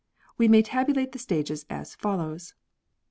We may tabulate the stages as follows